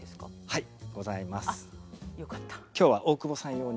はい。